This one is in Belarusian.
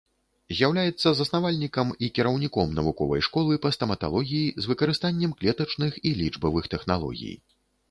З'яўляецца заснавальнікам і кіраўніком навуковай школы па стаматалогіі з выкарыстаннем клетачных і лічбавых тэхналогій.